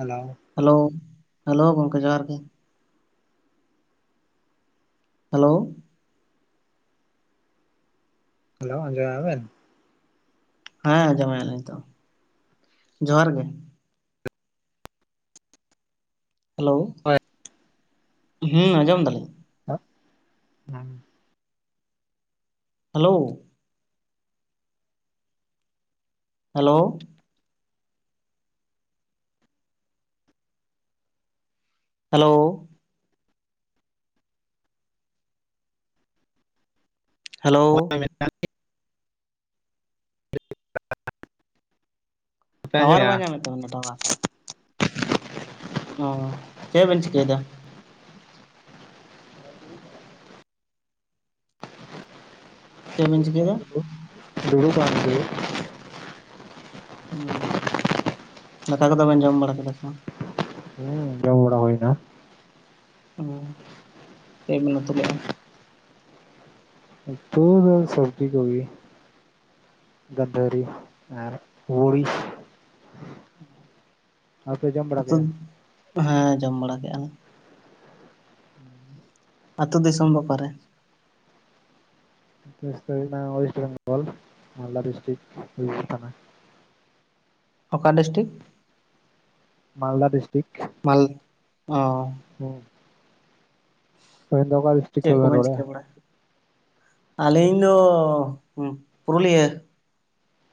Hello. Hello hello ᱜᱚᱝᱠᱮ ᱡᱚᱦᱟᱨ ᱜᱮ ᱾ ᱦᱮᱞᱳ ᱾ ᱦᱮᱞᱳ ᱟᱡᱚᱢᱮᱜᱼᱟ ᱵᱮᱱ? ᱦᱮᱸ ᱟᱸᱡᱚᱢᱮᱜ-ᱟ ᱞᱤᱧ ᱛᱚ ᱡᱚᱦᱟᱨ ᱜᱮ ᱾ ᱦᱮᱞᱳ ᱦᱳᱭ ᱦᱮᱸ ᱟᱸᱡᱚᱢ ᱫᱟᱞᱤᱧ ᱾ [unintelligible] Hello. Hello. Hello. Hello [unintelligible] [unintelligible] tower ᱟᱸᱡᱚᱢᱮᱜᱼᱟ? ᱵᱟᱭ ᱧᱟᱢᱮᱫ ᱛᱟᱵᱤᱱᱟ ᱴᱟᱣᱟᱨ ᱾ ᱚ ᱪᱮᱫ ᱵᱮᱱ ᱪᱤᱠᱟᱹᱭᱮᱫᱟ? ᱪᱮᱫ ᱵᱤᱱ ᱪᱤᱠᱟᱹᱭᱮᱫᱟ? ᱫᱩᱲᱩᱵ ᱠᱟᱱᱟ ᱞᱤᱧ ᱫᱩᱲᱩᱵ ᱼᱼ ᱦᱚᱭ ᱫᱟᱠᱟ ᱠᱚᱫᱚ ᱵᱮᱱ ᱡᱚᱢ ᱵᱟᱲᱟ ᱠᱮᱫᱟ ᱥᱮ ᱵᱟᱝ? ᱦᱩᱸ ᱡᱚᱢ ᱵᱟᱼᱼ ᱲᱟ ᱦᱳᱭ ᱱᱟ ᱾ ᱚ ᱪᱮᱫ ᱵᱤᱱ ᱩᱛᱩ ᱞᱮᱜᱼᱟ? ᱩᱛᱩ ᱫᱚ ᱥᱚᱵᱽᱡᱤ ᱠᱚ ᱜᱮ ᱜᱟᱺᱫᱷᱟᱹᱨᱤ ᱟᱨ [unintelligible] ᱟᱯᱮ ᱡᱚᱢ ᱵᱟᱲᱟ ᱠᱮᱜᱼᱟ? [unintelligible] ᱦᱮᱸ ᱡᱚᱢ ᱵᱟᱲᱟ ᱠᱮᱫᱼᱟ ᱞᱮ ᱾ ᱟᱹᱛᱩ ᱫᱤᱥᱚᱢ ᱫᱚ ᱚᱠᱟᱨᱮ? [unintelligible] ᱳᱭᱮᱥᱴ ᱵᱮᱝᱜᱚᱞ ᱢᱟᱞᱫᱟ ᱰᱤᱥᱴᱨᱤᱠ [unintelligible] ᱛᱷᱟᱱᱟ ᱾ ᱚᱠᱟ ᱰᱤᱥᱴᱤᱠ? ᱢᱟᱞᱫᱟ ᱰᱤᱥᱴᱤᱠ ᱾ ᱢᱟᱞ ᱚᱻ ᱦᱚᱸ ᱾ ᱪᱮᱫ ᱠᱚ ᱵᱮᱱ ᱪᱤᱠᱟᱹ ᱵᱟᱲᱟᱭ ᱟᱹᱞᱤᱧ ᱫᱚ ᱯᱩᱨᱩᱞᱤᱭᱟᱹ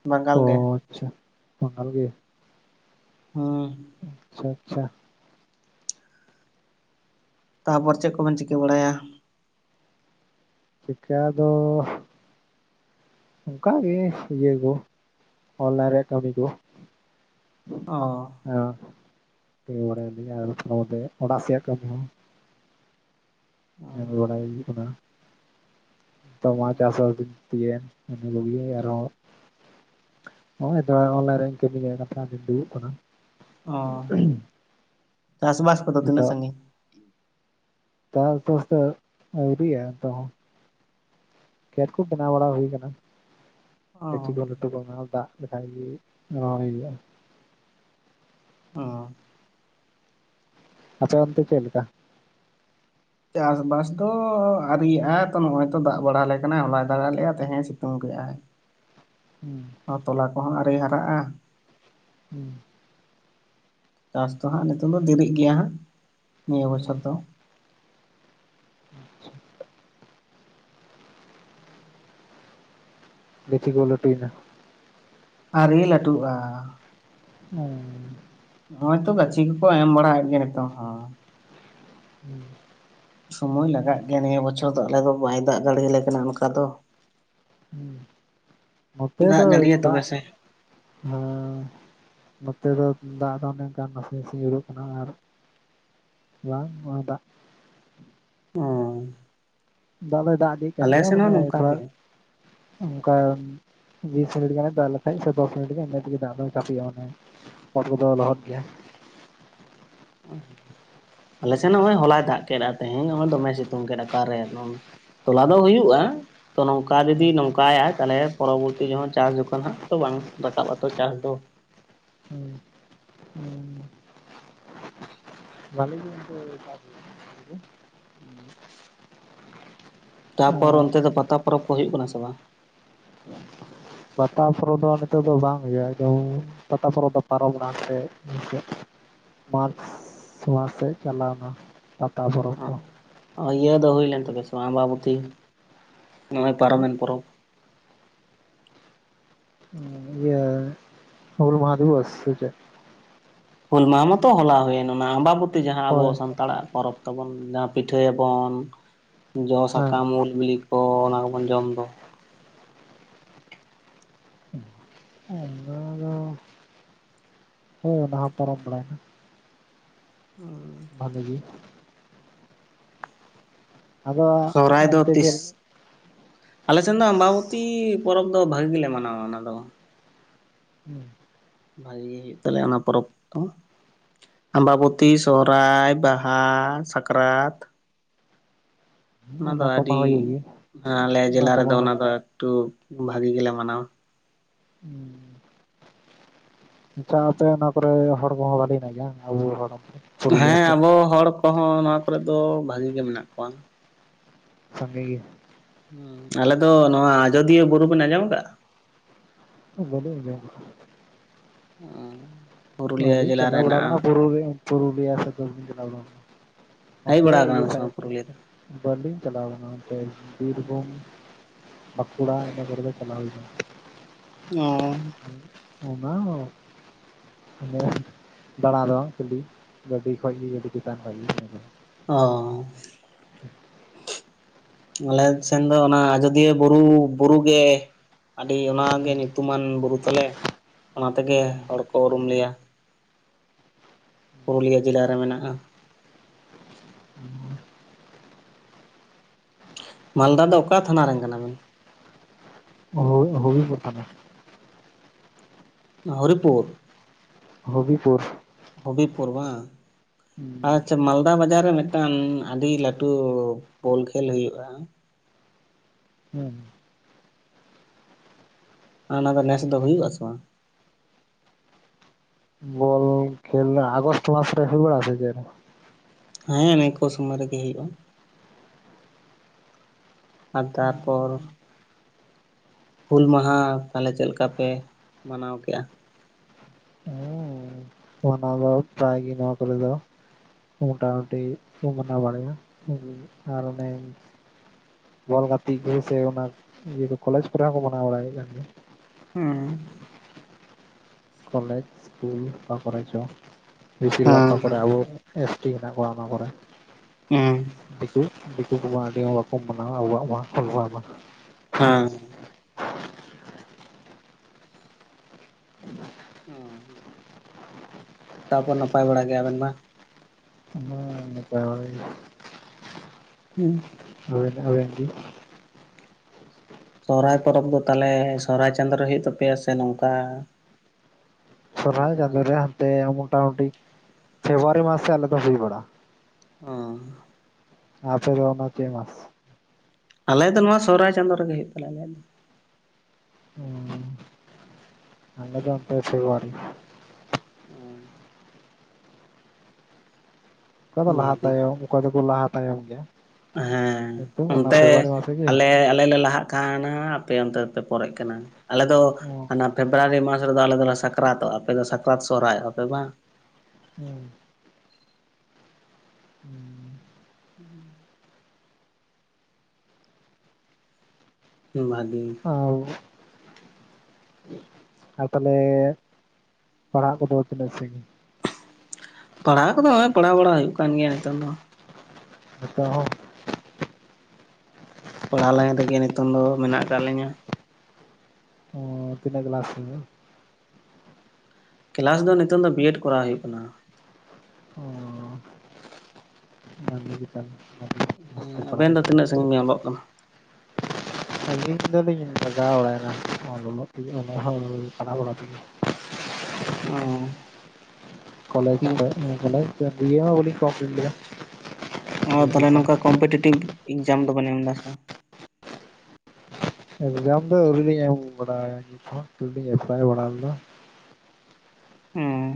ᱵᱟᱝᱜᱟᱞ ᱚ ᱜᱮ ᱾ ᱟᱪᱪᱷᱟ ᱵᱟᱝᱜᱟᱞ ᱜᱤ ᱾ ᱦᱚᱸᱻ ᱟᱪᱪᱷᱟ ᱾ ᱛᱟᱯᱚᱨ ᱪᱮᱫ ᱠᱚᱵᱮᱱ ᱪᱤᱠᱟᱹ ᱵᱟᱲᱟᱭᱟ? ᱪᱤᱠᱟ ᱫᱚᱻ [unintelligible] ᱚᱱᱠᱟᱜ ᱜᱮ ᱤᱭᱟᱹ ᱠᱚ ᱦᱚᱱᱞᱮᱱ ᱨᱮᱭᱟᱜ ᱠᱟᱹᱢᱤ ᱠᱚ [unintelligible] ᱚᱸᱻ ᱦᱚᱸ [inaudible] [unintelligible] ᱚᱲᱟᱜ ᱥᱮᱭᱟᱜ ᱠᱟᱹᱢᱤ ᱦᱚᱸ᱾ [unintelligible] ᱛᱚ ᱢᱟ ᱪᱟᱥ [unintelligible] ᱟᱨᱦᱚ [unintelligible] ᱱᱚᱜ-ᱚᱭ ᱛᱚ ᱚᱱᱞᱟᱭᱤᱱ ᱨᱮᱱ ᱠᱟᱹᱢᱤᱭᱟᱹ ᱜᱟᱯ ᱠᱤᱱ ᱫᱩᱲᱩᱵ ᱠᱟᱱᱟ ᱾ ᱚᱻ [inaudible] ᱪᱟᱥ- ᱵᱟᱥ ᱠᱚᱫᱚ ᱛᱤᱱᱟᱹᱜ ᱥᱟᱺᱜᱤᱧ? ᱪᱟᱥ - ᱵᱟᱥ ᱛᱚ ᱟᱹᱣᱨᱤᱭᱚ ᱛᱚ ᱾ ᱠᱷᱮᱛ ᱠᱚ ᱵᱮᱱᱟᱣ ᱵᱟᱲᱟ ᱦᱩᱭ ᱟᱠᱟᱱᱟ ᱾ ᱜᱟᱪᱷᱤ ᱚ ᱠᱚ ᱞᱟᱹᱴᱩ ᱠᱚ ᱚᱱᱟ ᱫᱟᱜ ᱞᱮᱠᱷᱟᱡ ᱜᱮ ᱨᱚᱦᱚᱭ ᱦᱩᱭᱩᱜᱼᱟ ᱾ ᱚᱻ ᱟᱯᱮ ᱚᱱᱛᱮ ᱪᱮᱫ ᱞᱮᱠᱟ? ᱪᱟᱥ-ᱵᱟᱥ ᱫᱚ ᱟᱹᱣᱨᱤᱭᱚᱜᱼᱟ ᱛᱚ ᱱᱚᱜᱼᱚᱭ ᱛᱚ ᱫᱟᱜ ᱵᱟᱲᱟ ᱦᱟᱞᱮ ᱠᱟᱱᱟ ᱦᱚᱞᱟᱭ ᱫᱟᱜᱼᱟᱜ ᱞᱮᱭᱟ ᱛᱮᱦᱮᱧ ᱥᱤᱛᱩᱝ ᱠᱮᱜᱼᱟ ᱾ ᱦᱩᱸ ᱟᱨ ᱛᱚᱞᱟ ᱠᱚᱦᱚᱸ ᱟᱹᱣᱨᱤ ᱦᱟᱨᱟᱜᱼᱟ ᱾ ᱦᱩᱸ ᱾ [inaudible] ᱪᱟᱥ ᱫᱚ ᱦᱟᱸᱜ ᱱᱤᱛᱚᱝ ᱫᱚ ᱫᱮᱨᱤᱜ ᱜᱮᱭᱟ ᱦᱟᱸᱜ ᱱᱤᱭᱟᱹ ᱦᱩᱸ ᱵᱚᱪᱷᱚᱨ ᱫᱚ ᱾ [unintelligible] ᱜᱟᱪᱷᱤ ᱠᱚ ᱞᱟᱹᱴᱩ ᱮᱱᱟ? ᱟᱹᱣᱨᱤ ᱞᱟᱹᱴᱩᱜᱼᱟ ᱾ ᱚᱻ ᱱᱚᱜᱼᱚᱭ ᱛᱚ ᱜᱟᱪᱷᱤ ᱠᱚᱠᱚ ᱮᱢ ᱵᱟᱲᱟᱭᱮᱫ ᱜᱮ ᱱᱤᱛᱚᱝ ᱦᱚᱸ ᱾ [unintelligible] ᱥᱚᱢᱚᱭ ᱞᱟᱜᱟᱜ ᱜᱮᱭᱟ ᱱᱤᱭᱟᱹ ᱵᱚᱪᱷᱚᱨ ᱫᱚ ᱟᱞᱮ ᱫᱚ ᱵᱟᱭ ᱫᱟᱜ ᱫᱟᱲᱮᱭᱟᱞᱮ ᱠᱟᱱᱟ ᱚᱱᱠᱟ ᱫᱚ ᱾ ᱦᱩᱸ [unintelligible] ᱱᱚᱛᱮ ᱫᱟᱜ ᱫᱚ ᱡᱟᱹᱲᱤᱭᱟ ᱛᱚᱵᱮ ᱫᱟᱜ ᱥᱮ [unintelligible] ᱦᱮᱸ ᱾ ᱱᱚᱛᱮ ᱫᱚ ᱫᱟᱜ ᱫᱚ ᱚᱱᱮ ᱚᱱᱠᱟ ᱱᱟᱥᱮ- ᱱᱟᱥᱮ ᱧᱩᱨᱩᱜ ᱠᱟᱱᱟ ᱟᱨ ᱵᱟᱝ ᱱᱚᱣᱟ ᱫᱟᱜ ᱦᱮᱸ ᱫᱟᱜ ᱫᱚ ᱫᱟᱜ ᱤᱫᱤᱭᱮᱜ ᱠᱟᱱ ᱜᱮᱭᱟ ᱦᱚᱸ ᱢᱟᱱᱮ ᱱᱚᱝᱠᱟ ᱛᱷᱚᱲᱟ ᱜᱮ [unintelligible] ᱚᱱᱠᱟ ᱾ ᱵᱤᱥ ᱢᱤᱱᱤᱴ ᱜᱮ ᱫᱟᱜ ᱞᱮᱠᱷᱟᱡ ᱥᱮ ᱫᱚᱥ ᱢᱤᱱᱤᱴ ᱜᱮ ᱤᱱᱟ ᱛᱮᱜᱮ ᱫᱟᱜ ᱫᱚᱭ ᱠᱟᱷᱯᱤᱭᱟ ᱾ ᱚᱛ ᱠᱚᱫᱚ ᱞᱚᱦᱚᱫ ᱜᱮᱭᱟ ᱾ [unintelligible] ᱟᱞᱮ ᱥᱮᱱ ᱦᱚᱸᱜᱼᱚᱭ ᱦᱚᱞᱟᱭ ᱫᱟᱜ ᱠᱮᱫᱼᱟ ᱛᱮᱦᱮᱧ ᱱᱚᱜᱼᱚᱭ ᱫᱚᱢᱮ ᱥᱤᱛᱩᱝ ᱠᱮᱫ ᱚᱠᱟᱨᱮ ᱛᱚᱞᱟ ᱫᱚ ᱦᱩᱭᱩᱜᱼᱟ ᱛᱚ ᱱᱚᱝᱠᱟ [unintelligible] ᱡᱩᱫᱤ ᱦᱮᱸ ᱱᱚᱝᱠᱟᱭᱟ ᱛᱟᱦᱚᱞᱮ ᱯᱚᱨᱚᱵᱚᱨᱛᱤ ᱡᱟᱦᱟᱸ ᱪᱟᱥ ᱡᱩᱠᱷᱟᱱ ᱦᱟᱸᱜ ᱛᱚ ᱵᱟᱝ ᱨᱟᱠᱟᱵ ᱟᱛᱚ ᱪᱟᱥ ᱫᱚ ᱾ ᱦᱮᱸ ᱦᱮᱸ ᱾ ᱵᱷᱟᱹᱞᱤ ᱜᱮ [unintelligible] ᱦᱩᱸᱻ ᱾ ᱛᱟᱨᱯᱚᱨ ᱮᱸ ᱚᱱᱛᱮ ᱫᱚ ᱯᱟᱛᱟ ᱯᱚᱨᱚᱵᱽ ᱠᱚ ᱦᱩᱭᱩᱜ ᱠᱟᱱᱟ ᱥᱮ ᱵᱟᱝ? [unintelligible] ᱵᱟᱛᱟ ᱯᱚᱨᱚᱵ ᱫᱚ ᱱᱤᱛᱚᱜ ᱫᱚ ᱵᱟᱝ ᱦᱩᱭᱩᱜᱼᱟ ᱮᱠᱫᱚᱢ ᱯᱟᱛᱟ ᱯᱚᱨᱚᱵᱽ ᱫᱚ ᱯᱟᱨᱚᱢᱱᱟ [unintelligible] ᱢᱟᱨᱪ [unintelligible] ᱱᱚᱣᱟ ᱥᱮᱫ ᱪᱟᱞᱟᱣᱱᱟ [unintelligible] ᱯᱟᱛᱟ ᱯᱚᱨᱚᱵᱽ ᱫᱚ ᱾ ᱤᱭᱟᱹ ᱫᱚ ᱦᱩᱭ ᱞᱮᱱ ᱛᱟᱯᱮᱭᱟ ᱥᱮ ᱟᱢᱵᱟᱵᱚᱛᱤ [inaudible] ᱱᱚᱜᱼᱚᱭ ᱯᱟᱨᱚᱢᱮᱱ ᱯᱚᱨᱚᱵᱽ? ᱤᱭᱟᱹ [unintelligible] ᱦᱩᱞ ᱢᱟᱦᱟ ᱫᱤᱵᱚᱥ ᱥᱮ ᱪᱮᱫ? ᱦᱩᱞ ᱢᱟᱦᱟᱸ ᱢᱟᱛᱚ ᱦᱚᱞᱟ ᱦᱩᱭᱮᱱ ᱚᱱᱟ ᱟᱢᱵᱟᱵᱚᱛᱤ ᱡᱟᱦᱟᱸ ᱟᱵᱚ ᱦᱳᱭ ᱥᱟᱱᱛᱟᱲᱟᱜ ᱯᱚᱨᱚᱵᱽ ᱾ ᱛᱟᱵᱚᱱ ᱡᱟᱦᱟᱸ ᱯᱤᱴᱷᱟᱹᱭᱟᱵᱚᱱ ᱡᱚ ᱦᱮᱸ ᱥᱟᱠᱟᱢ ᱩᱞ ᱵᱤᱞᱤ ᱠᱚ ᱚᱱᱟ ᱠᱚᱵᱚᱱ ᱡᱚᱢ ᱫᱚ ᱾ [unintelligible] ᱵᱟᱦᱟ ᱯᱚᱨᱚᱵᱽ ᱵᱟᱲᱟᱭᱮᱱᱟ ᱚᱸᱻ ᱵᱷᱟᱜᱮ ᱜᱮ ᱟᱫᱚ ᱥᱚᱦᱨᱟᱭ ᱫᱚ ᱚᱱᱛᱮ ᱛᱤᱥ? ᱪᱮᱫ ᱟᱞᱮ ᱥᱮᱱ ᱫᱚ ᱟᱢᱵᱟ ᱵᱚᱛᱤ ᱯᱚᱨᱚᱵᱽ ᱫᱚ ᱵᱷᱟᱹᱜᱤ ᱜᱮ ᱞᱮ ᱢᱟᱱᱟᱣᱟ ᱚᱱᱟ ᱫᱚ ᱾ ᱦᱮᱸ ᱵᱷᱟᱹᱜᱤ ᱜᱮ ᱦᱩᱭᱩᱜ ᱛᱟᱞᱮᱭᱟ ᱚᱱᱟ ᱯᱚᱨᱚᱵᱽ ᱫᱚ ᱾ ᱟᱢᱵᱟᱵᱚᱛᱤ ᱥᱚᱦᱨᱟᱭ ᱵᱟᱦᱟ ᱥᱟᱠᱨᱟᱛ ᱚᱱᱟ ᱫᱚ ᱠᱚᱢᱟ ᱟᱹᱰᱤ ᱦᱩᱭᱩᱜ ᱜᱮ ᱟᱞᱮ ᱡᱮᱞᱟ ᱠᱚᱢᱟ ᱨᱮᱫᱚ ᱚᱱᱟ ᱦᱩᱭᱩᱜ ᱫᱚ ᱜᱮ᱾ ᱮᱠᱴᱩ ᱵᱷᱟᱹᱜᱤ ᱜᱮᱞᱮ ᱢᱟᱱᱟᱣᱟ᱾ ᱩᱸᱻ ᱟᱪᱪᱷᱟ ᱟᱯᱮ ᱚᱱᱟ ᱠᱚᱨᱮ ᱦᱚᱲ ᱠᱚᱦᱚᱸ [unintelligible] ᱦᱮᱱᱟᱜ ᱜᱮᱭᱟ, ᱟᱵᱚ ᱦᱚᱲ ᱯᱩᱨᱩᱞᱤᱭᱟᱹ ᱦᱮᱸ ᱥᱮᱫ ᱟᱵᱚ ᱦᱚᱲ ᱠᱚᱦᱚᱸ ᱱᱚᱣᱟ ᱠᱚᱨᱮ ᱫᱚ ᱵᱷᱟᱹᱜᱤ ᱜᱮ ᱢᱮᱱᱟᱜ ᱠᱚᱣᱟ᱾ ᱥᱟᱸᱜᱮ ᱜᱮ᱾ ᱦᱩᱸ ᱟᱞᱮ ᱫᱚ ᱱᱚᱣᱟ ᱟᱡᱚᱫᱤᱭᱟᱹ ᱵᱩᱨᱩ ᱵᱮᱱ ᱟᱸᱡᱚᱢ ᱟᱠᱟᱜᱼᱟ ᱵᱟᱹᱞᱤᱧ ᱟᱸᱡᱚᱢ ᱟᱠᱟᱜᱼᱟ᱾ ᱚᱻ ᱵᱟᱹᱞᱤᱧ ᱪᱟᱞᱟᱣ ᱵᱟᱲᱟ ᱟᱠᱟᱱᱟ ᱯᱩᱨᱩ ᱯᱩᱨᱩᱞᱤᱭᱟ ᱥᱮᱫ ᱞᱤᱧ ᱪᱟᱞᱟᱣᱼᱼ ᱦᱮᱡ ᱱᱚᱛᱮ ᱵᱟᱲᱟ ᱤᱭᱟᱹ ᱟᱠᱟᱱᱟᱢ ᱥᱮ ᱵᱟᱝ ᱥᱟᱭᱤᱴ ᱨᱮ᱾ ᱯᱩᱨᱩᱞᱤᱭᱟᱹ ᱫᱚ ᱵᱟᱹᱞᱤᱧ ᱪᱟᱞᱟᱣ ᱟᱠᱟᱱᱟ ᱚᱱᱛᱮ ᱵᱤᱨᱵᱷᱩᱢᱼᱼ ᱵᱟᱸᱠᱩᱲᱟ ᱤᱱᱟᱹ ᱠᱚᱨᱮ ᱫᱚ ᱪᱟᱞᱟᱣ ᱦᱩᱭ ᱟᱠᱟᱱᱟ ᱚᱻ [unintelligible] [unintelligible] ᱫᱟᱬᱟ ᱫᱚ ᱠᱷᱟᱹᱞᱤ ᱜᱟᱹᱰᱤ ᱠᱷᱚᱡ ᱜᱮ ᱜᱟᱹᱰᱤ ᱪᱮᱛᱟᱱ ᱠᱷᱚᱡ ᱜᱮᱼᱼ ᱚᱻ [inaudible] ᱟᱞᱮ ᱥᱮᱱ ᱫᱚ ᱚᱱᱟ ᱟᱡᱚᱫᱤᱭᱟᱹ ᱵᱩᱨᱩ ᱵᱩᱨᱩ ᱜᱮ ᱟᱹᱰᱤ ᱚᱱᱟᱜᱮ ᱦᱮᱸ ᱧᱩᱛᱩᱢᱟᱱ ᱵᱩᱨᱩ ᱛᱟᱞᱮ ᱚᱱᱟ ᱛᱮᱜᱮ ᱦᱩᱸ ᱦᱚᱲ ᱠᱚ ᱩᱨᱩᱢ ᱞᱮᱭᱟ ᱯᱩᱨᱩᱞᱤᱭᱟᱹ ᱡᱮᱞᱟ ᱨᱮ ᱢᱮᱱᱟᱜᱼᱟ ᱦᱩᱸ ᱢᱟᱞᱫᱟ ᱫᱚ ᱚᱠᱟ ᱛᱷᱟᱱᱟ ᱨᱮᱱ ᱠᱟᱱᱟ ᱵᱤᱱ [unintelligible] ᱦᱚᱨᱤᱯᱩᱨ ᱦᱚᱵᱤᱯᱩᱨ ᱦᱚᱵᱤ ᱯᱩᱨ ᱵᱟᱝ ᱟᱪᱪᱷᱟ ᱦᱩᱸ ᱢᱟᱞᱫᱟ ᱵᱟᱡᱟᱨ ᱨᱮ ᱢᱤᱫᱴᱟᱹᱝ ᱟᱹᱰᱤ ᱞᱟᱹᱴᱩ ᱵᱚᱞ ᱠᱷᱮᱞ ᱦᱩᱭᱩᱜᱼᱟ ᱦᱩᱸᱻ ᱟᱨ ᱚᱱᱟ ᱫᱚ ᱱᱮᱥ ᱫᱚ ᱦᱩᱭᱩᱜᱼᱟ ᱥᱮ ᱵᱟᱝ ᱵᱚᱞᱻ ᱠᱷᱮᱞ ᱫᱚ ᱟᱜᱚᱥᱴ ᱢᱟᱥ ᱨᱮ ᱵᱟᱲᱟᱜᱼᱟ ᱥᱮ ᱪᱮᱫ ᱦᱮᱸ ᱱᱚᱝᱠᱟ ᱥᱚᱢᱚᱭ ᱨᱮᱜᱮ ᱦᱩᱭᱩᱜᱼᱟ ᱟᱨ ᱛᱟᱨ ᱯᱚᱨ ᱦᱩᱞ ᱢᱟᱦᱟ ᱛᱟᱦᱚᱞᱮ ᱪᱮᱫ ᱞᱮᱠᱟ ᱯᱮ ᱢᱟᱱᱟᱣ ᱠᱮᱫᱼᱟ ᱚᱱᱟ ᱫᱚ ᱯᱨᱟᱭ ᱜᱮ ᱱᱚᱣᱟ ᱠᱚᱨᱮ ᱫᱚ ᱢᱚᱴᱟ ᱢᱩᱴᱤ ᱠᱚ ᱢᱟᱱᱟᱣ ᱵᱟᱲᱟᱭᱟ ᱟᱨ ᱚᱱᱮ ᱵᱚᱞ [unintelligible] ᱜᱮ ᱥᱮ ᱚᱱᱟ ᱤᱭᱟᱹ ᱠᱚᱞᱮᱡᱽ ᱠᱚᱨᱮ ᱦᱚᱸᱠᱚ ᱢᱟᱱᱟᱣ ᱵᱟᱲᱟᱭᱮᱫ ᱠᱟᱱ ᱜᱮᱭᱟ᱾ ᱦᱩᱸᱻ ᱠᱚᱞᱮᱡᱽ ᱤᱥᱠᱩᱞ ᱚᱠᱟ ᱠᱚᱨᱮ ᱪᱚ ᱵᱮᱥᱤᱨ ᱵᱷᱟᱜᱽ ᱦᱮᱸ ᱚᱠᱟ ᱠᱚᱨᱮ ᱟᱵᱚᱼᱼ ᱮᱥ ᱴᱤ ᱢᱮᱱᱟᱜ ᱠᱚᱣᱟ ᱚᱱᱟ ᱠᱚᱨᱮ ᱮᱸ [unintelligible] ᱫᱤᱠᱩ ᱫᱤᱠᱩ ᱠᱚᱢᱟ ᱟᱹᱰᱤ ᱦᱚᱸ ᱵᱟᱠᱚ ᱢᱟᱱᱟᱣᱟ ᱟᱵᱚᱣᱟᱜ ᱢᱟ ᱦᱮᱸ᱾ ᱚᱻ ᱛᱟᱯᱚᱨ ᱱᱟᱯᱟᱭ ᱵᱟᱲᱟ ᱜᱮᱭᱟ ᱵᱮᱱ ᱵᱟᱝ? ᱦᱮᱸ ᱱᱟᱯᱟᱭ ᱵᱟᱲᱟ ᱜᱮᱭᱟ ᱦᱩᱸ᱾ ᱦᱳᱭ ᱞᱟᱦᱟ ᱞᱮᱱᱜᱤ, ᱥᱚᱦᱨᱟᱭ ᱯᱚᱨᱚᱵᱽ ᱫᱚ ᱛᱟᱦᱚᱞᱮ ᱥᱚᱦᱨᱟᱭ ᱪᱟᱸᱫᱳ ᱨᱮ ᱦᱩᱭᱩᱜ ᱛᱟᱯᱮᱭᱟ, ᱥᱮ ᱱᱚᱝᱠᱟ ᱥᱚᱦᱨᱟᱭ ᱪᱟᱸᱫᱳ ᱨᱮ ᱦᱟᱱᱛᱮ ᱢᱚᱴᱟᱢᱩᱴᱤ ᱯᱷᱮᱵᱽᱨᱟᱣᱨᱤ ᱢᱟᱥ ᱥᱮᱫ ᱟᱞᱮ ᱫᱚ ᱦᱩᱭ ᱵᱟᱲᱟᱜᱼᱟ᱾ ᱦᱚᱸ᱾ ᱟᱯᱮ ᱫᱚ ᱚᱱᱟ ᱪᱮᱫ ᱢᱟᱥ? ᱟᱞᱮ ᱫᱚ ᱱᱚᱣᱟ ᱥᱚᱦᱨᱟᱭ ᱪᱟᱸᱫᱳ ᱨᱮᱜᱮ ᱦᱩᱭᱩᱜ ᱛᱟᱞᱮᱭᱟ ᱟᱞᱮᱭᱟᱜ ᱫᱚ᱾ ᱟᱞᱮ ᱫᱚ ᱚᱱᱛᱮ ᱯᱷᱮᱵᱽᱨᱟᱣᱨᱤ ᱾ [unintelligible] ᱚ ᱚᱠᱟ ᱫᱚ ᱞᱟᱦᱟ ᱛᱟᱭᱚᱢ, ᱚᱠᱟ ᱫᱚᱠᱚ ᱞᱟᱦᱟ ᱛᱟᱭᱚᱢ ᱜᱮᱭᱟ᱾ ᱦᱮᱸ ᱠᱤᱱᱛᱩ ᱚᱱᱟ ᱚᱱᱛᱮ ᱯᱷᱮᱵᱽᱨᱩᱣᱟᱨᱤ ᱢᱟᱥ [unintelligible] ᱨᱮᱜᱮ ᱟᱞᱮ ᱞᱮ ᱞᱟᱦᱟᱜ ᱠᱟᱱᱟ ᱟᱯᱮ ᱚᱱᱛᱮ ᱫᱚᱯᱮ ᱯᱚᱨᱮᱜ ᱠᱟᱱᱟ ᱟᱞᱮ ᱫᱚ ᱚ ᱦᱟᱱᱟ ᱯᱷᱮᱵᱽᱨᱩᱣᱟᱨᱤ ᱢᱟᱥ ᱨᱮᱫᱚ ᱟᱞᱮ ᱫᱚᱞᱮ ᱥᱟᱠᱨᱟᱛᱚᱜᱼᱟ ᱟᱯᱮ ᱫᱚ ᱥᱟᱠᱨᱟᱛ ᱥᱚᱦᱨᱟᱭᱚᱜ ᱼᱟᱯᱮ ᱵᱟᱝ? ᱦᱩᱸ᱾ ᱦᱮᱸ [unintelligible] ᱦᱩᱸ᱾ ᱵᱷᱟᱜᱮ᱾ ᱚ [unintelligible] ᱟᱨ ᱛᱟᱦᱚᱞᱮ ᱯᱟᱲᱦᱟᱜ ᱠᱚᱫᱚ ᱛᱤᱱᱟᱹᱜ ᱥᱟᱹᱜᱤᱧ? ᱯᱟᱲᱦᱟᱣ ᱠᱚᱫᱚ ᱯᱟᱲᱦᱟᱣ ᱵᱟᱲᱟ ᱦᱩᱭᱩᱜ ᱠᱟᱱ ᱜᱮᱭᱟ ᱱᱤᱛᱚᱝ ᱫᱚ᱾ ᱟᱪᱪᱷᱟ ᱦᱚᱸ᱾ ᱯᱟᱲᱦᱟᱣ ᱞᱟᱭᱤᱱ ᱨᱮᱜᱮ ᱱᱤᱛᱚᱜ ᱫᱚ ᱢᱮᱱᱟᱜ ᱟᱠᱟᱫ ᱞᱤᱧᱟ᱾ ᱚ, ᱛᱤᱱᱟᱹᱜ ᱠᱮᱞᱟᱥ ᱨᱮ? ᱠᱮᱞᱟᱥ ᱫᱚ ᱱᱤᱛᱚᱝ ᱫᱚ ᱵᱤ. ᱮᱰ ᱠᱚᱨᱟᱣ ᱦᱩᱭᱩᱜ ᱠᱟᱱᱟ᱾ [unintelligible] ᱢᱚᱡᱽ ᱛᱮ ᱦᱮᱸ ᱯᱟᱲᱦᱟᱜ ᱟᱵᱮᱱ ᱫᱚ ᱛᱤᱱᱟᱹᱜ ᱥᱟᱹᱜᱤᱧ ᱵᱤᱱ ᱚᱞᱚᱜ ᱠᱟᱱᱟ? ᱟᱹᱞᱤᱧ ᱫᱚᱞᱤᱧ ᱵᱟᱡᱟᱣ ᱵᱟᱲᱟᱭᱱᱟ [unintelligible] ᱵᱟᱲᱟ ᱛᱮᱜᱮ ᱚ ᱠᱟᱞᱮᱡᱽ ᱫᱤᱭᱮ, ᱠᱚᱞᱮᱡᱽ ᱵᱤ. ᱮ ᱦᱚ ᱵᱟᱞᱤᱧ ᱠᱳᱢᱯᱞᱤᱴ ᱞᱮᱫᱟ᱾ ᱚ ᱛᱟᱦᱚᱞᱮ ᱜᱨᱮᱡᱩᱭᱮᱥᱚᱱ ᱱᱚᱝᱠᱟ ᱠᱚᱢᱯᱤᱴᱤᱮᱴᱤᱵᱷ ᱮᱠᱡᱟᱢ ᱫᱚᱵᱮᱱ ᱮᱢ ᱮᱫᱟ ᱥᱮ ᱵᱟᱝ? ᱮᱠᱡᱟᱢ ᱫᱚ ᱟᱹᱣᱨᱤ ᱞᱤᱧ ᱮᱢ ᱵᱟᱰᱟᱭᱟ ᱱᱤᱛ ᱦᱚᱸ ᱥᱤᱫᱷᱩ ᱞᱤᱧ ᱮᱯᱞᱟᱭ ᱵᱟᱲᱟ ᱞᱮᱫᱟ᱾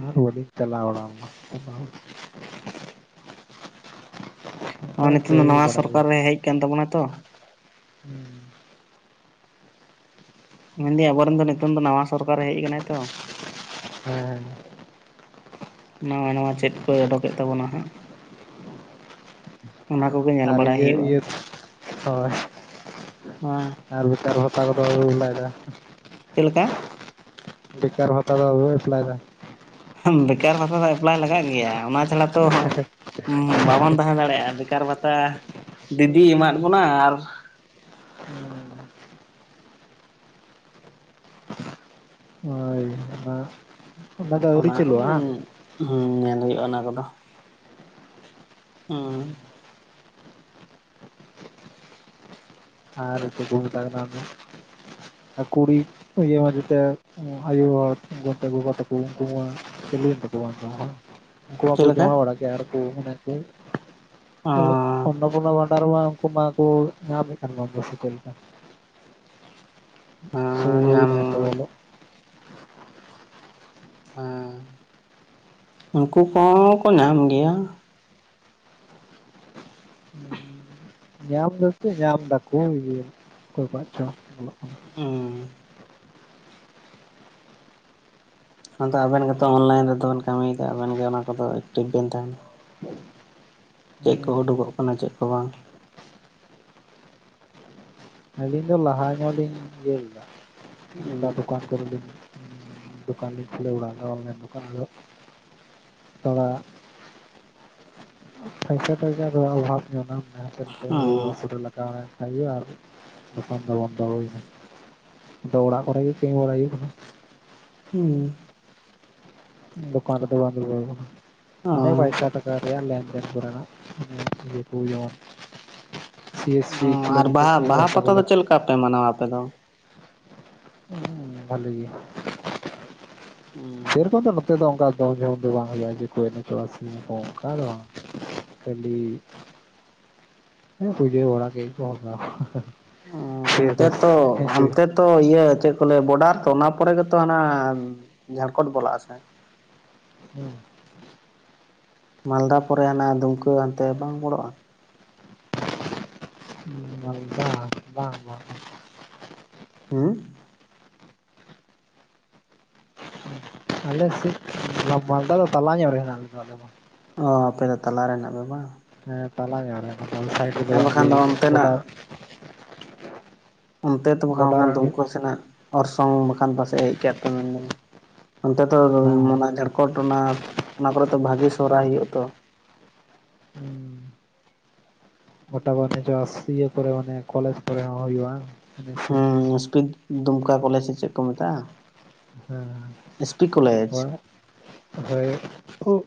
ᱟᱨ ᱵᱟᱞᱤᱧ ᱪᱟᱞᱟᱣ ᱵᱟᱲᱟ ᱞᱮᱱᱟ᱾ ᱚᱱᱠᱟ [unintelligible] ᱱᱤᱛᱚᱝ ᱫᱚ ᱠᱟᱹᱢᱤ ᱱᱟᱣᱟ ᱵᱟᱲᱟᱭ ᱥᱚᱨᱠᱟᱨ ᱮ ᱦᱮᱡ ᱟᱠᱟᱱ ᱛᱟᱵᱚᱱᱟ ᱛᱚ᱾ ᱦᱩᱸ᱾ ᱢᱮᱱᱮᱫᱟᱹᱧ ᱟᱵᱚᱨᱮᱱ ᱫᱚ ᱱᱤᱛᱚᱝ ᱫᱚ ᱱᱟᱣᱟ ᱥᱚᱨᱠᱟᱨ ᱮ ᱦᱮᱡ ᱟᱠᱟᱱᱟᱭ ᱛᱚ᱾. ᱦᱮᱸ᱾ ᱱᱟᱣᱟ ᱱᱟᱣᱟ ᱪᱮᱫ ᱠᱚᱭ ᱚᱰᱚᱠᱮᱫ ᱛᱟᱵᱚᱱᱟ ᱦᱟᱸᱜ᱾ [unintelligible] ᱚᱱᱟ ᱠᱚᱜᱮ ᱧᱮᱞ ᱟᱨ ᱵᱟᱲᱟᱭ ᱤᱭᱟᱹ ᱦᱩᱭᱩᱜᱼᱟ ᱤᱭᱟᱹ ᱦᱳᱭ [unintelligible] ᱟᱨ ᱵᱮᱠᱟᱨ ᱵᱷᱟᱛᱟ ᱠᱚᱫᱚ [unintelligible] ᱵᱟᱲᱟᱭᱮᱫᱟ? ᱪᱮᱫ ᱞᱮᱠᱟ? ᱵᱮᱠᱟᱨ ᱵᱦᱟᱛᱟ ᱫᱚ ᱵᱟᱵᱤᱱ ᱮᱯᱞᱟᱭ ᱮᱫᱟ? ᱵᱮᱠᱟᱨ ᱵᱷᱟᱛᱟ ᱫᱚ ᱮᱯᱞᱟᱭ ᱞᱟᱜᱟᱜ ᱜᱮᱭᱟ ᱚᱱᱟ ᱪᱷᱟᱲᱟ ᱛᱚ ᱵᱟᱵᱚᱱ ᱛᱟᱦᱮᱸ ᱫᱟᱲᱮᱭᱟᱜᱼᱟ ᱵᱮᱠᱟᱨ ᱵᱷᱟᱛᱟ ᱫᱤᱫᱤ ᱮᱢᱟᱫ ᱵᱚᱱᱟ ᱟᱨ ᱦᱳᱭ ᱟᱜ ᱚᱱᱟ ᱠᱚᱫᱚ [unintelligible] ᱧᱮᱞ ᱦᱩᱭᱩᱜᱼᱟ ᱚᱱᱟ ᱠᱚᱫᱚ ᱩᱸ ᱟᱨ ᱪᱮᱫ ᱠᱚ ᱢᱮᱛᱟᱜ ᱠᱟᱱᱟ ᱚᱱᱛᱮ? ᱟᱨ ᱠᱩᱲᱤ ᱤᱭᱟᱹ ᱢᱟ ᱡᱮᱛᱮ ᱟᱭᱳ ᱦᱚᱲ ᱜᱚᱜᱚ ᱛᱟ ᱛᱟᱠᱚ ᱩᱱᱠᱩ ᱢᱟ ᱪᱟᱞᱩ ᱮᱱ ᱛᱟᱠᱚᱣᱟ ᱛᱚ᱾ ᱩᱱᱠᱩᱣᱟᱜ ᱪᱮᱫ ᱠᱚ ᱞᱮᱠᱟ ᱡᱚᱢᱟ ᱵᱟᱲᱟ ᱜᱮ ᱟᱨ ᱠᱚ [unintelligible] ᱠᱚ᱾ ᱚ ᱚᱱᱱᱚᱯᱩᱨᱱᱟ ᱵᱷᱟᱸᱰᱟᱨ ᱨᱮ ᱩᱱᱠᱩ ᱢᱟᱠᱚ ᱧᱟᱢᱮᱫ ᱠᱟᱱ ᱩᱱ ᱦᱮᱸ [unintelligible] ᱧᱟᱢ ᱞᱮᱠᱟ [unintelligible] ᱵᱚᱞᱚ ᱦᱮᱸ ᱩᱱᱠᱩ ᱠᱚᱦᱚᱸ ᱠᱚ ᱧᱟᱢ ᱜᱮᱭᱟ ᱧᱟᱢ ᱫᱚ ᱪᱮᱫ ᱧᱟᱢ ᱫᱟᱠᱚ ᱤᱭᱟᱹ ᱚᱠᱚᱭ ᱠᱚᱣᱟᱜ ᱪᱚᱝ ᱵᱚᱞᱚᱜ ᱠᱟᱱᱟ᱾ ᱦᱩᱸ ᱟᱫᱚ ᱟᱵᱮᱱ ᱜᱮᱛᱚ ᱚᱱᱞᱟᱭᱤᱱ ᱨᱮᱫᱚ ᱵᱮᱱ ᱠᱟᱹᱢᱤ ᱠᱟᱜ- ᱟ ᱟᱵᱮᱱ ᱜᱮ ᱚᱱᱟ ᱠᱚᱫᱚ ᱮᱠᱴᱤᱵᱷ ᱵᱮᱱ ᱛᱟᱦᱮᱱᱟ ᱪᱮᱫ ᱠᱚ ᱩᱰᱩᱠᱚᱜ ᱠᱟᱱᱟ ᱪᱮᱫ ᱠᱚ ᱵᱟᱝ ᱟᱹᱞᱤᱧ ᱫᱚ ᱞᱟᱦᱟ ᱧᱚᱜ ᱞᱤᱧ ᱤᱭᱟᱹ ᱞᱮᱫᱟ ᱚᱱᱠᱟ ᱫᱚᱠᱟᱱ ᱫᱠᱟᱱ ᱫᱩᱸᱧ ᱠᱷᱩᱞᱟᱹ ᱵᱟᱲᱟ ᱠᱟᱜ ᱟ ᱚᱱᱞᱟᱭᱤᱱ ᱫᱠᱟᱱ ᱟᱫᱚ ᱛᱚᱲᱟᱜ [unintelligible] ᱨᱩᱣᱟᱹ ᱦᱟᱥᱩ [unintelligible] [inaudible] ᱟᱨ ᱫᱚᱠᱟᱱ ᱫᱚ ᱵᱚᱱᱫᱚ ᱦᱩᱭᱱᱟ ᱫᱚ ᱚᱲᱟᱜ ᱠᱚᱨᱮ ᱜᱮ ᱛᱤᱸᱜᱩ ᱵᱟᱲᱟ ᱦᱩᱭᱩᱜ ᱠᱟᱱᱟ ᱩᱸ ᱫᱚᱠᱟᱱ ᱨᱮᱫᱚ ᱵᱟᱝ ᱫᱩᱨᱩᱵ ᱦᱳᱭ ᱠᱟᱱᱟ ᱢᱟᱱᱮ ᱯᱚᱭᱥᱟ ᱴᱟᱠᱟ ᱨᱮᱭᱟᱜ ᱞᱮᱱ ᱫᱮᱱ ᱠᱚᱨᱮᱱᱟᱜ [unintelligible] ᱥᱤᱭᱮᱯ ᱥᱤ ᱴᱷᱩᱠᱟᱹᱣ ᱠᱟᱛᱮ [unintelligible] ᱯᱚᱭᱥᱟ [unintelligible] ᱵᱟᱯᱮ ᱢᱟᱱᱟᱣᱟ ᱟᱯᱮ ᱫᱚ ᱦᱩᱸ ᱵᱷᱟᱹᱞᱤ ᱜᱮᱦᱟᱜ ᱩᱸ ᱥᱮᱨᱚᱠᱚᱢ ᱫᱚ ᱱᱚᱛᱮ ᱫᱚ ᱚᱱᱠᱟ ᱫᱚ ᱡᱷᱚᱢ ᱡᱷᱚᱢ ᱫᱚ ᱵᱟᱝ ᱦᱩᱭᱩᱜᱼᱟ [inaudible] ᱚᱱᱠᱟ ᱫᱚ ᱵᱟᱝ ᱠᱷᱟᱹᱞᱤ ᱦᱮᱸ ᱯᱩᱡᱟᱹ ᱵᱟᱲᱟ ᱠᱮᱫ ᱜᱮᱠᱚ [unintelligible] ᱚᱸ ᱚᱱᱛᱮ ᱛᱚ ᱚᱱᱛᱮ ᱛᱚ ᱤᱭᱟᱹ ᱪᱮᱫ ᱠᱚ ᱞᱟᱹᱭᱟ ᱵᱚᱰᱟᱨ ᱛᱚ ᱚᱱᱟ ᱯᱚᱨᱮ ᱜᱮᱛᱚ ᱦᱟᱱᱟ ᱡᱷᱟᱲᱠᱷᱚᱱᱰ ᱵᱚᱞᱟᱜ ᱟ ᱥᱮ ᱦᱮ ᱢᱟᱞᱫᱟ ᱯᱚᱨᱮ ᱦᱟᱱᱟ ᱫᱩᱢᱠᱟᱹ ᱦᱟᱱᱛᱮ ᱵᱟᱝ ᱵᱚᱲᱚᱜᱼᱟ ᱢᱟᱞᱫᱟ ᱵᱟᱝ ᱵᱟᱝ ᱦᱩᱸ ᱟᱞᱮ ᱥᱮᱫ ᱢᱟᱞᱫᱟ ᱫᱚ ᱛᱟᱞᱟ ᱧᱚᱜ ᱨᱮ ᱦᱮᱱᱟᱜ ᱟᱞᱮ ᱫᱚ ᱚ ᱟᱯᱮ ᱫᱚ ᱛᱟᱞᱟ ᱨᱮ ᱢᱮᱱᱟᱜ ᱵᱮᱭᱟ ᱵᱟᱝ ᱦᱮᱸ ᱛᱟᱞᱟ ᱧᱚᱜ ᱨᱮ ᱚᱱᱟ ᱫᱚ ᱟᱞᱮ ᱥᱟᱭᱤᱴ ᱦᱮᱸ ᱵᱟᱠᱷᱟᱱ ᱫᱚ ᱚᱱᱛᱮᱱᱟᱜ ᱚᱱᱛᱮ ᱛᱚ ᱜᱚᱰᱟ ᱵᱟᱝᱠᱷᱟᱱ ᱫᱚ ᱨᱮ ᱫᱩᱢᱠᱟᱹ ᱥᱮᱱᱟᱜ ᱚᱨᱥᱚᱝ ᱵᱟᱠᱷᱟᱱ ᱯᱟᱥᱮᱡ ᱦᱮᱡ ᱠᱟᱜ ᱯᱮ ᱢᱮᱱᱫᱤᱧ ᱚᱱᱛᱮ ᱛᱚ ᱵᱟᱝ [unintelligible] ᱡᱷᱟᱲᱠᱷᱚ ᱠᱚᱴᱱᱟᱥ ᱚᱱᱟ ᱠᱚᱨᱮ ᱫᱚ ᱵᱷᱟᱜᱤ ᱥᱚᱨᱦᱟᱭ ᱦᱩᱭᱩᱜᱼᱟ ᱛᱚ ᱦᱩᱸ ᱢᱚᱴᱟ ᱢᱩᱴᱤ ᱥᱭᱟᱹ ᱠᱚᱨᱮ ᱢᱟᱱᱮ ᱠᱚᱞᱮᱡᱽ ᱠᱚᱨᱮ ᱦᱚᱸ ᱦᱩᱭᱩᱜᱼᱟ ᱢᱩᱥᱯᱤᱫ ᱫᱩᱢᱠᱟ ᱠᱚᱞᱮᱡᱽ ᱥᱮ ᱪᱮᱫ ᱠᱚ ᱢᱮᱛᱟᱜᱼᱟ ᱦᱮᱸ ᱮᱥ ᱯᱤ ᱠᱚᱞᱮᱡᱽ [inaudible] ᱦᱳᱭ